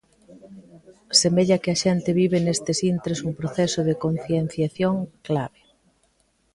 Semella que a xente vive nestes intres un proceso de concienciación clave.